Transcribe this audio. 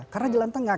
karena jalan tengah